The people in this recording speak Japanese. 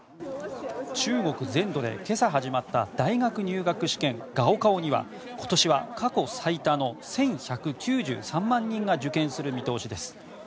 中国全土で今朝始まった大学入学試験、高考には今年は過去最多の１１９３万人が受験する見通しです。